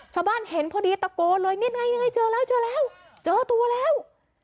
ชาวบ้านเห็นพอดีตะโกรธเลยเจอแล้วเจอตัวแล้ว